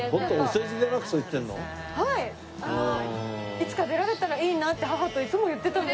いつか出られたらいいなって母といつも言ってたんです。